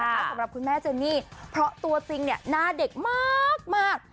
สำหรับคุณแม่เจนี่เพราะตัวจริงหน้าเด็กมาก